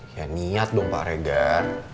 ya niat dong pak regar